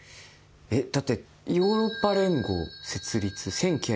えだってヨーロッパ連合設立